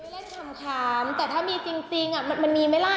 เล่นขำแต่ถ้ามีจริงมันมีไหมล่ะ